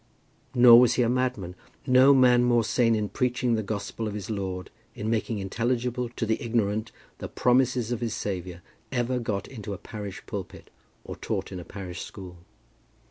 Nor was he a madman. No man more sane in preaching the gospel of his Lord, in making intelligible to the ignorant the promises of his Saviour, ever got into a parish pulpit, or taught in a parish school.